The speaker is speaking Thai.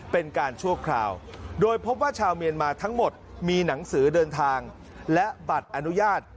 เป็นการชั่วคราวโดยพบว่าชาวเมียนมาทั้งหมดมีหนังสือเดินทางและบัตรอนุญาต